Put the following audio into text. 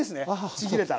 ちぎれたら。